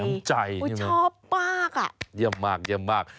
น้ำใจใช่ไหมชอบมากอ่ะเยี่ยมมากเยี่ยมมาก